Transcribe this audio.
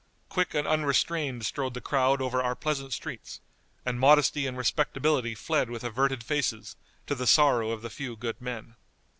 Quick and unrestrained strode the crowd over our pleasant streets, and modesty and respectability fled with averted faces, to the sorrow of the few good men."